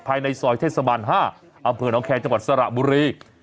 ภายในซอยเทศบาล๕อำเภอน้องแคร์จังหวัดสระบุรี